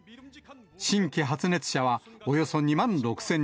新規発熱者はおよそ２万６０００人。